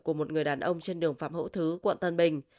của một người đàn ông trên đường phạm hữu thứ quận tân bình